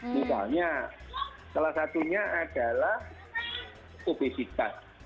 misalnya salah satunya adalah obesitas